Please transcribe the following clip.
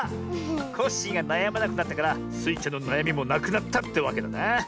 コッシーがなやまなくなったからスイちゃんのなやみもなくなったってわけだな。